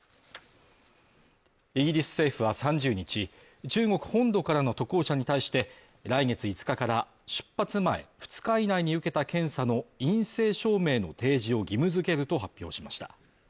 イギリス政府は３０日中国本土からの渡航者に対して来月５日から出発前２日以内に受けた検査の陰性証明の提示を義務づけると発表しました。